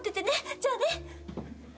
じゃあね。